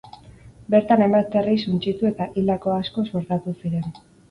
Bertan hainbat herri suntsitu eta hildako asko suertatu ziren.